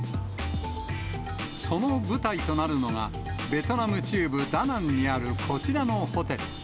その舞台となるのが、ベトナム中部ダナンにあるこちらのホテル。